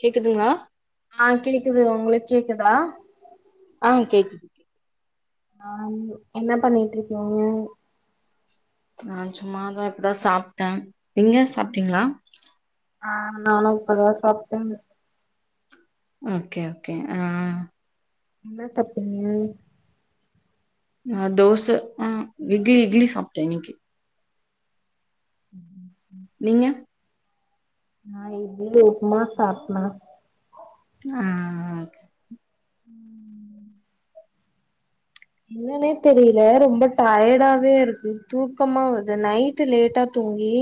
கேக்குதுங்ளா ஆ கேக்குது உங்ளுக்கு கேக்குதா ஆ கேக்குது ஆ என்ன பண்ணிட்டிருக்கீங்க நான் சும்மா தான் இருக்றன் சாப்ட்டன் நீங்க சாப்ட்டீங்களா ஆ நானும் இப்பதான் சாப்டேங்க ஓகே ஓகே ஆ என்ன சாப்டீங்க நா தோச ஆஹ இட்லி இட்லி சாப்ட்டேன் இன்னிக்கு ம் ம் நீங்க நா இட்லி உப்மா சாப்டன் ம் ம் ம் ம் என்னன்னே தெரியல ரொம்ப டயடாவே இருக்கு தூக்கமா வருது நைட்டு லேட்டா தூங்கி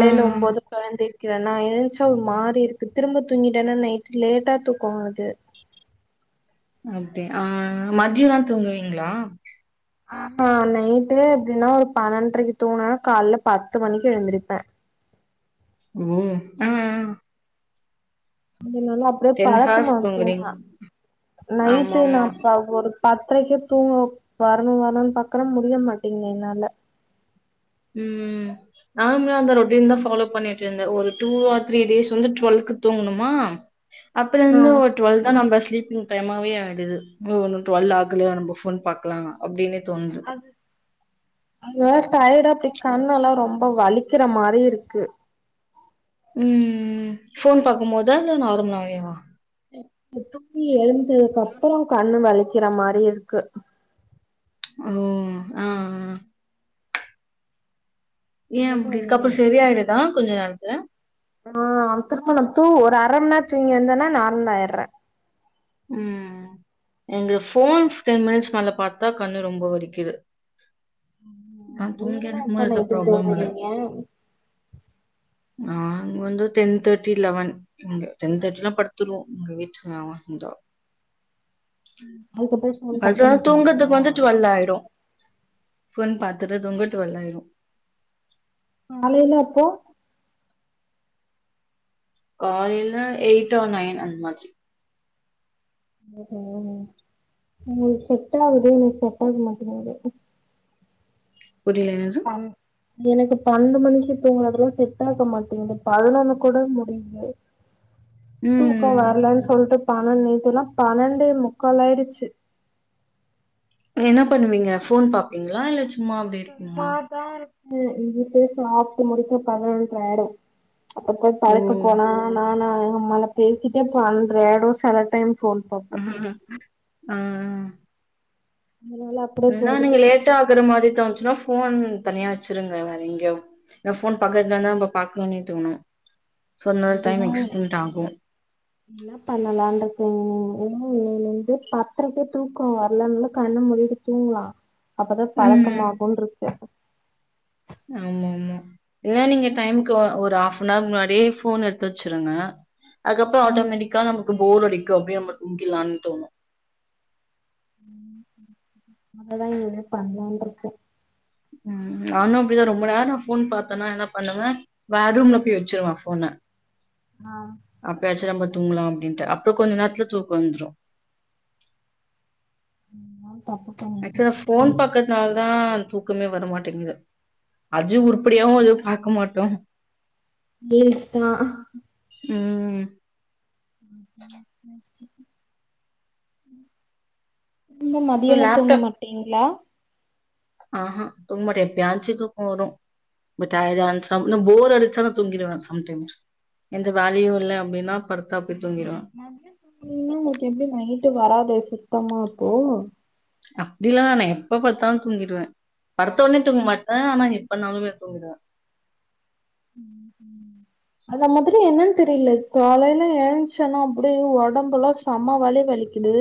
ஆ ஒம்போதுக்கு எழுந்தி எழ்கிறனா ஏன்ச்சா ஒரு மாறி இருக்கு திரும்ப தூங்கிட்டேன்னா நைட் லேட்டா தூக்கம் வருது அப்டியா ஆ மதியோலா தூங்குவீங்களா ஆமா நைட்டு எப்டின்னா ஒரு பன்னெண்ட்ரைக்கி தூங்குனா காலைல பத்து மணிக்கு எழுந்திருப்பே ம் ஆ ஆ அதனால அப்டியே டென் ஹார்ஸ் பழக்கமாயிருச்சு தூங்குறீங்க எல்லா ஆமா நைட்டு நா ஆமா ப்ப ஒரு பத்தரைக்கே தூங்க வரணு வரணுன்னு பாக்குற முடிய மாட்டேங்து என்னால ம் நார்மலா அந்த ரொட்டீன்தா ஃபாலோ பண்ணிட்ருந்தேன் ஒரு டூ ஆர் த்ரீ டேஸ் வந்து டுவெல்க்கு தூங்குனமா அப்பல இருந்து ஓ டுவெல்தா நம்ப ஸ்லீப்பிங் டைமா [unintelligible] ஆயிடுது ஓ இன்னு டுவெல் ஆகலயா நம்ப ஃபோன் பாக்கலா அப்டின்னே தோணுது அது டயேடா அப்டி கண்ணெல்லா ரொம்ப வலிக்கிற மாரி இருக்கு ம் ஃபோன் பாக்கும் போதா இல்ல நார்மலாவேவா அ நைட் தூங்கி எழுந்ததுக்கு அப்புறோ கண்ணு வலிக்கிற மாரி இருக்கு ஓ ஆ ஆ யேன் என்ன அப்டி பண்றது இதுக்கப்றோ செரி ஆயிடுதா கொஞ்ச நேரத்துல ஆ அது திரும்ப நம்ம தூ ஒரு அர மணி நேரோ தூங்கி எழுந்தன்ன நார்மல் ஆயர்றே ம் எங்க ஃபோன் டென் மினிட்ஸ் மேல பாத்தா கண்ணு ரொம்ப வலிக்குது ஆமா நான் தூங்கி நீங்கல்லா எப்ப எந்திரிக்கும்போது எந்த நைட்டு ப்ராப்ளமும் இல்ல. தூங்குவீங்க நாங்க வந்து டென் தேர்ட்டி லெவன் நாங்க டென் தேர்ட்டிலா படுத்துருவோ எங்க வீட்டு [unintelligible] செஞ்சா அதுக்கப்புறோ ஃபோன் பாக்க அதா மாட்டீங்களா தூங்குறதுக்கு வந்து டுவெல் ஆயிடு ஃபோன் பாத்துட்டு தூங்க டுவெல் ஆயிரு காலைல அப்போ காலைல எயிட் ஆர் நைன் அந்த மாதிரி [unintelligible] உங்களுக்கு செட் ஆகுது எனக்கு செட்டாக மாட்டிங்குது புரியல என்னது பன் எனக்கு பன்னெண்டு மணிக்கி தூங்கறதல்லா செட் ஆக மாட்டேங்குது பதனொன்னு கூட முடியாது தூக்கோ ம். வரலேன்னு சொல்ட்டு பன்னெண்டு நேத்தல்லா பன்னெண்டே முக்காலாயிருச்சு என்ன பண்ணுவீங்க ஃபோன் பாப்பீங்களா இல்ல சு சும்மாதா இருக்கே இதுக்கே சாப்ட்டு முடிக்க பதனொன்ர ஆயிடு அப்ப போய் ஓ! படுக்க போனா நானு எங்க அம்மாலா பேசிட்டே பன்னெண்ட்ரை ஆயிடு செல டைம் ஃபோன் பார்ப்பேன். ஆ அதனால அப்படியே என்னனா போயிடுது. நீங்க லேட்டா ஆகுற மாரி தோணுச்சுனா ஃபோன் தனியா வச்சிருங்க வேற எங்கயாவது ஏன்னா ஃபோன் பக்கத்துல இருந்தா உங்க பாக்கணுன்னே தோணு சோ அதனால டைம் எகஸ்டென்ட் ஆகு அதா பண்ணலான் இருக்கே இன்னைல இருந்து பத்தரைக்கே தூக்கோ வரலனாலு கண்ண மூடிட்டு தூங்கலா அப்பதா பழக்கம் ம். ஆகுன்னு இருக்கு ஆமா ஆமா இல்லனா நீங்க டைமுக்கு ஒ ஒரு ஹாஃபனவர் முன்னாடியே ஃபோன் எடுத்து வச்சிருங்க அதுக்கப்றோ ஆட்டோமேட்டிக்கா நமக்கு போர் அடிக்கு அப்டியே நம்ம தூங்கிரலான்னு தோணு [inaudible] அததா இனிமே பண்லான்ருக்கே ம் நானு அப்டிதா ரொம்ப நேரோ ஃபோன் பாத்தன்னா என்ன பண்ணுவே வேற ரூம்ல போய் வச்சுருவ ஃபோன ஆ அப்பயாச்சு நம்ம தூங்கலா அப்டின்ட்டு அப்றோ கொஞ்ச நேரத்துல தூக்கோ வந்துரு ம் நானு [unintelligible] ஆக்சுவலா ஃபோன் பாக்கறதுனாலதா தூக்கமே வரமாட்டேங்குது அஜு உருப்படியாவு எது பாக்க மாட்டோ ரீல்ஸ்தா ம் [inaudible] நீங்க இப்போ மதியான தூங்க லேப்டாப் மாட்டிங்ளா ஆ ஹா தூங்க மாட்ட எப்பயாச்சி தூக்க வரு டயடா இருந்ச்னா ந போர் அடிச்சாலு தூங்கிருவ சம்டைம்ஸ் எந்த வேலயு இல்ல அப்டின்னா படுத்தா போய் தூங்கிடுவ இப்ப தூங்னா உங்களுக்கு எப்டி நைட்டு வராதே சுத்தமா அப்போ அப்டிலான எப்ப பத்தாலு தூங்கிடுவ படுத்த உடனே தூங்க மாட்ட ஆனா எப்பனாலுமே தூங்கிடுவ ம் ம் அத மாதிரி என்னன்னு தெரியல காலையில எழுஞ்ச்சன அப்படி ஒடம்பலா செம வலி வலிக்குது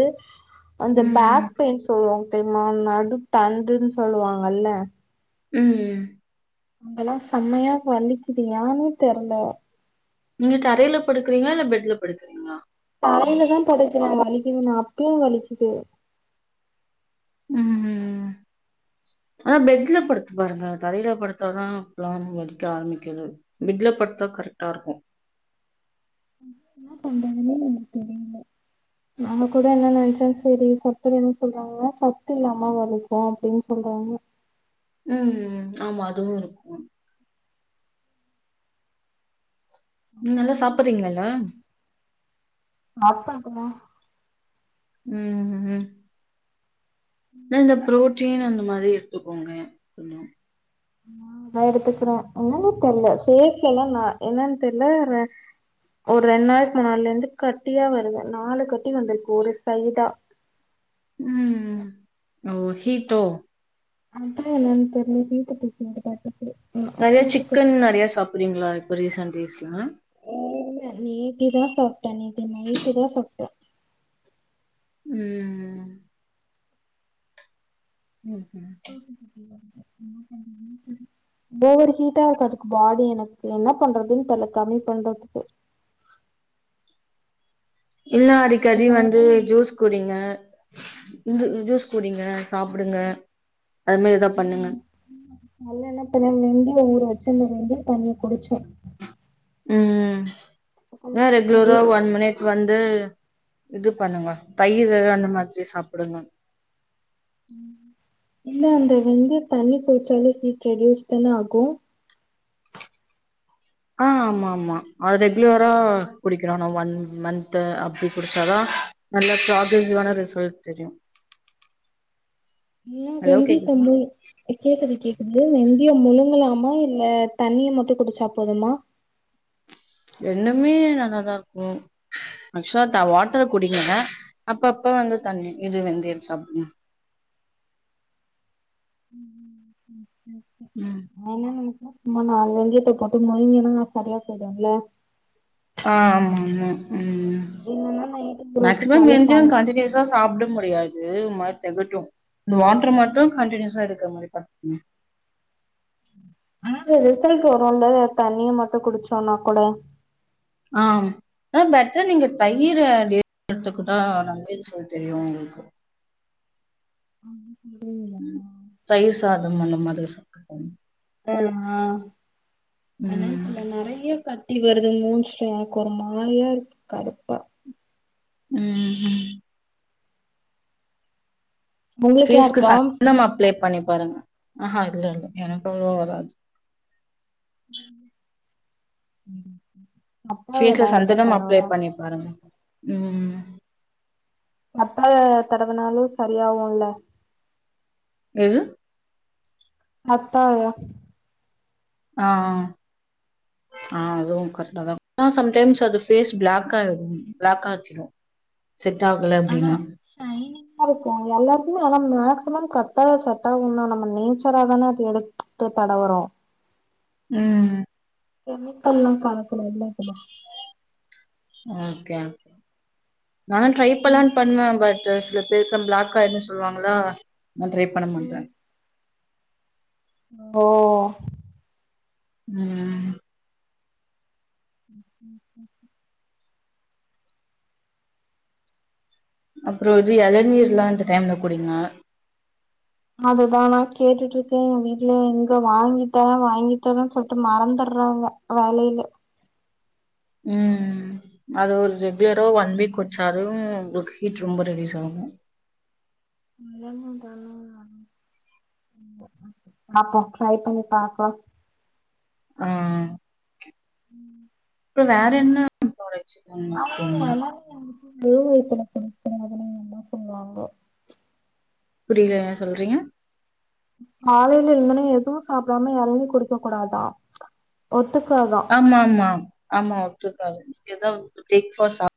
அந்த ம். பேக் பெயின் சொல்லுவாங் தெரிமா நடு தண்டுன்னு சொல்லுவாங்கல்ல ம் அங்கெலா செமையா வலிக்குது ஏனே தெர்ல நீங்க தரையில படுக்கறிங்ளா இல்ல பெட்ல படுக்கறிங்ளா தரையிலதா படுக்குறே வலிக்குதுனு அப்பயு வலிக்குது ம் ஆனா பெட்ல படுத்து பாருங்க தரையில படுத்தாதா இப்பலா வலிக்க ஆரம்பிக்குது பெட்ல படுத்தா கரெக்ட்டா இருக்கு என்ன பண்றதுன்னே எனக்கு தெரில நம்ம கூட என்ன நெனைச்ச சரி சத்து இல்லன்னு சொல்றாங்கனா சத்து இல்லாமவா இருக்கு அப்டின் சொல்றாங்க ம் ஆமா அதுவு இருக் ம் நல்லா சாப்புடுறிங்கல்ல நாட்களுக்குமா ம் ம் என்ன இந்த ப்ரோட் டீன் அந்த மாரி எடுத்துக்கோங்க கொஞ்ச ஆ அதலா எடுத்துக்கிற என்னன்னே தெர்ல சேர்க்கைலா நா என்னன் தெர்ல ஒரு ரெண்டு நாளுக்கு முன்னால இருந்து கட்டியா வருது நாலு கட்டி வந்திருக்கு ஒரு சைடா ம் ஓ ஹீட்டோ அதா என்னான் தெர்ல ஹீட்டு புடுச்சுக்குதாட்ருக்குது நெறைய சிக்கன் நெறையா சாப்புடுறிங்களா இப்ப ரீசன்ட் டேஸ் எல்லா இல்ல நேத்திதா சாப்ட்ட நேத்தி நைட்டுதா சாப்ட்ட ம் ம்ஹும். [inaudible] ஓவர் ஹீட்டா இருக்குதுக்கு பாடி எனக்கு என்ன பண்றதுன் தெர்ல கம்மி பண்றதுக்கு இல்ல என்ன அடிக்கடி வந்து பிரச்சனைனா ஜூஸ் குடிங்க ஜு ஜு ஜூஸ் குடிங்க சாப்புடுங்க அது மாரி எதா பண்ணுங்க காலைல என்ன பண்ண வெந்திய ஊற வெச்சு அந்த வெந்திய தண்ணிய குடிச்ச ம் அந்த ஹீட் ரெகுலரா ரெடியூஸ் ஆகு ஒன் மினிட் வந்து இது பண்ணுங்க தயிரு அந்த மாதிரி சாப்புடணு இல்ல அந்த வெந்திய தண்ணி குடிச்சாலு ஹீட் ரெட்யூஸ் தான ஆகு ஆ ஆமா ஆமா அத் ரெகுலரா குடிக்கிறான ஒன் மன்ந்த் அப்படி குடிச்சா தான் நல்லா ப்ராகரசிவான ரிசல்ட் தெரியு ஏயே ஹலோ வெந்திய கேக்குதா தண்ணி கேக்குது கேக்குது வெந்தியௌ முழுங்கலாமா இல்ல தண்ணிய மட்டு குடிச்சா போதுமா இரண்டுமே நல்லாதா இருக்கு ஆக்சுவல வாட்டர் குடிங்க அப்பப்ப வந்து தண்ணி இது வெந்தயம் சாப்புடுங்க ம் ஓகே ஓகே ம் நான் என்ன நெனைச்சே சும்மா நாலு வெந்தியத்த போட்டு முழுங்கன்னா சரியா போயிடும்ல ஆமா ஆமா ம் இல்லன்னா நைட்டு ஊற வச்சு மேக்சிமம் கால்ல வெந்தயம் தண்ணி கன்டினியூஸா ஸா சாப்ட முடியாது ஒரு மாரி தெகட்டு இந்த வாட்டர் மட்டு கண்டியூஸா எடுக்கற மாரி பாத்துகுங்க ஆனா அந்த ரிசல்ட் வரும்ல தண்ணிய மட்டு குடிச்சோம்னா கூட ஆம் ஆ பெட்டர் நீங்க தயிற டெய்லி எடுத்துக்கிட்ட நல்ல ரிசல்ட் தெரியு உங்களுக்கு ஆமா சுண்டலு தயிர் சாதம் அந்த மாதிரி சிப் என்ன ம். இல்ல நெறைய கட்டி வருது மூஞ்சில எனக்கு ஒரு மாரியா இருக்கு கடுப்பா ம் ம் உங்களுக்குலா ஃபேஸ்க்கு இருக்கா சந்தனம் அப்ளே பண்ணி பாருங்க ஆ ஹா இல்ல இல்ல எனக்கு அவ்ளோவா வராது அப்ப ஓரு நாளைக்கு தா தடவலாம்கா வருங்க ம் கத்தாழ தடவுனாலு சரியாவுல்ல எது கத்தாழை ஆ ஆ அதுவும் கரெக்டா தா ஆனா சம்டைம்ஸ் அது ஃபேஸ் பிளாக் ஆகிடும் பிளாக் ஆக்கிடும் செட் ஆகல அப்டின்னா சைனிங் நல்ல இருக்கு எல்லாத்துக்குமே ஆனா மேக்சிமம் கத்தால செட்டாகு தா நம்ம நேச்சரா தானே அத எடுத் து தடவுரோ ம் கெமிக்கல்லாம் கலப்படம் இருந்தா இப்டி தா ஓகே நா அப்டி டரைப்பண்லான்னு சொல்ற பண்ண பட் சில பேருக்கு பிளாக் ஆயிரும்ன்னு சொல்லுவாங்களா நா ட்ரை பண்ண மாட்ட ஓ ம் அப்றோ இது எளநீர்லா இந்த டைம்ல குடிங்க அதுதா நான் கேட்டுட்டு இருக்கே எங் வீட்ல எங்க வாங்கி தரேன் வாங்கி தரேன்னு சொல்லிட்டு மறந்துட்றாங்க வளையிலு ம் ம் அது ஒரு ரெகுலரா ஒன் வீக் குடுச்சாலு உங்களுக்கு ஹீட் ரொம்ப ரெடியூஸ் ஆகு அதா மேம் பண்ணனு நானு பாப்போ ட்ரை பண்ணி பாக்கலாம் ம் ம் இப்போ வேற என்ன ஆரஞ்ச் ம் ஆனாலும் எல்லாரும் எனத்துல புடிச்சதுன்னு என்ன சொல்லுவாங்க புரில என்ன சொல்றீங்க காலையில இருந்தனே எதுவும் சாப்பிடாம இளநீ குடிக்க கூடாதா ஒத்துக்காதா ஆமா ஆமா ஆமா ஒத்துக்காது எதாவது பிரேக் பாஸ்ட் சா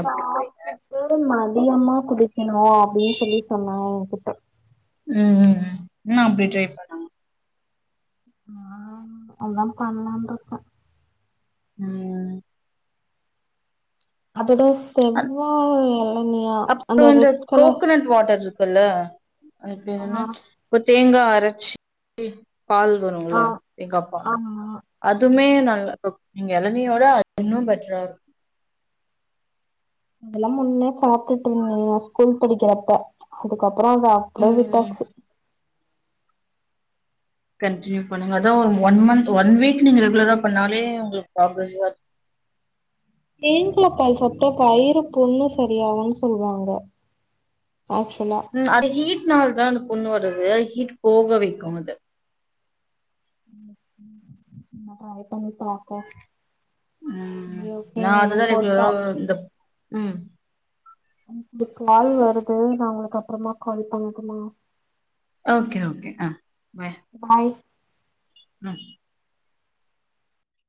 சாப்பிட்டு மதியமா குடிக்கணும் அப்டின்னு சொல்லி சொன்னாக என்கிட்ட ம் ம் என்ன அப்டி ட்ரை பண் ஆ ஆதான் பண்ணலாம்னு இருக்க ம் அது எதோ அந் செவ்வா இளநீயா அந்த அப்புறம் இந்த ரெட் கலர் கோகனட் வாட்டர் இருக்குல்ல அது பேர் என்ன ஆ இப்ப தேங்கா அரைச்சி பால் ஆ வரும்ல தேங்கா பால் ஆமா அதுமே நல்ல நீங்க இளநீய விட அது இன்னும் பெட்டரா இருக்கும் அதெல்லாம் முன்னே சாப்பிட்டுட்டு இருந்தேங்க ஸ்கூல் படிக்கிறப்ப அதுக்கப்பறோ அது அப்டியே ம். விட்டாச்சு கண்டியூ பண்ணுங்க அதான் ஒரு ஒன் மந்த் ஒன் வீக் நீங்க ரெகுலரா பண்ணாலே உங்களுக்கு பாசிடிவ்வா இருக்கும் தேங்கா பால் சாப்ட்டா வயிரு புண்ணு சரியாகுன் சொல்வாங்க ஆக்சுவலா அது ஹீட் நாள் தான் அந்த புண்ணு வருது ஹீட் போக வைக்கும் அது என்னானு நாளைக்கு பண்ணி பாப்போ ம் நா அதுதா எனக்கு ஒரு ரெகுலரா கா இந்த ம் இந்த கால் வருது நான் உங்களுக்கு அப்பறமா கால் பண்ணடுமா ஓகே ஓகே ஆ பாய் பாய் ம்